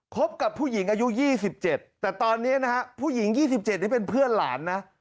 คบกับผู้หญิงอายุยี่สิบเจ็ดแต่ตอนนี้นะฮะผู้หญิงยี่สิบเจ็ดนี่เป็นเพื่อนหลานนะ